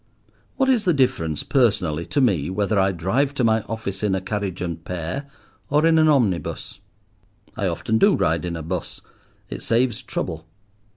What is the difference, personally, to me whether I drive to my office in a carriage and pair, or in an omnibus? I often do ride in a bus: it saves trouble.